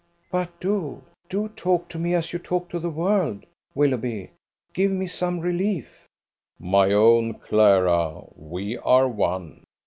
"But do, do talk to me as you talk to the world, Willoughby; give me some relief!" "My own Clara, we are one.